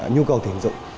nhu cầu tiền dụng